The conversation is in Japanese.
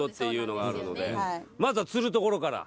まずは釣るところから。